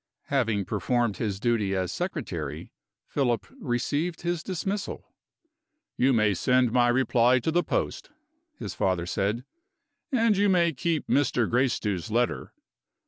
Having performed his duty as secretary, Philip received his dismissal: "You may send my reply to the post," his father said; "and you may keep Mr. Gracedieu's letter.